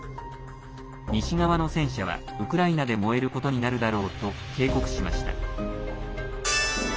西側の戦車は、ウクライナで燃えることになるだろうと警告しました。